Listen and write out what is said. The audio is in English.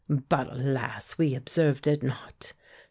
But, alas! we observed it not.